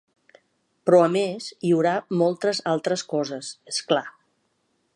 Però a més hi haurà moltes altres coses, és clar.